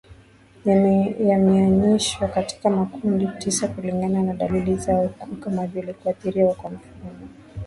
yameanishwa katika makundi tisa kulingana na dalili zao kuu kama vile kuathiriwa kwa mfumo